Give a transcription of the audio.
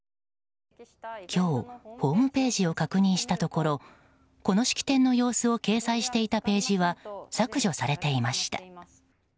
今日、ホームページを確認したところこの式典の様子を掲載していたページは削除されていました。